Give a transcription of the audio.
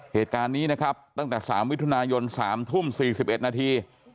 เหตุการณ์นี้นะครับตั้งแต่๓มิถุนายน๓ทุ่ม๔๑นาที